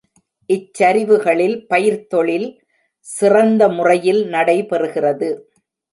இச் சரிவுகளில் பயிர்த்தொழில் சிறந்த முறையில் நடைபெறுகிறது.